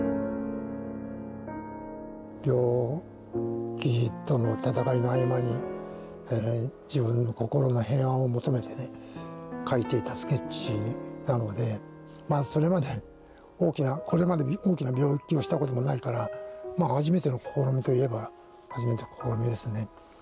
病気との闘いの合間に自分の心の平安を求めてね描いていたスケッチなのでこれまで大きな病気をしたこともないから初めての試みといえば初めての試みですね。